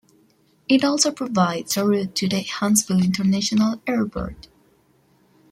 It also provides a route to the Huntsville International Airport.